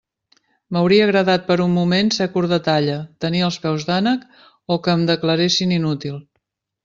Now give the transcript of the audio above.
M'hauria agradat per un moment ser curt de talla, tenir els peus d'ànec o que em declaressin inútil.